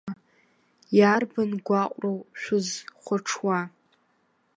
Иарбан гәаҟроу шәызхәаҽуа?